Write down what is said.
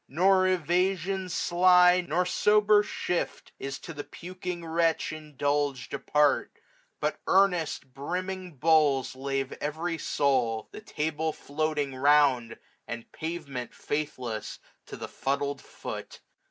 Nor evasion sly. Nor sober shift, is to the puking wretch Indulged apart j but earnest, brimming bowls 535 Lave every soul, the table floating round. And pavement, faithless to the fuddled foot.